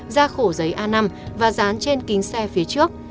ra khổ giấy a năm và dán trên kính xe phía trước